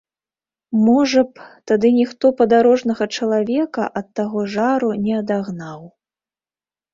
Можа б, тады ніхто падарожнага чалавека ад таго жару не адагнаў.